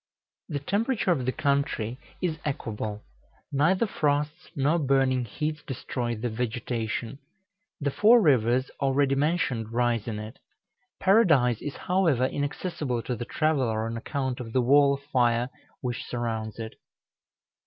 The temperature of the country is equable; neither frosts nor burning heats destroy the vegetation. The four rivers already mentioned rise in it. Paradise is, however, inaccessible to the traveller on account of the wall of fire which surrounds it.